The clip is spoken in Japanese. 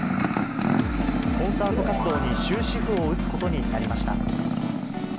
コンサート活動に終止符を打つことになりました。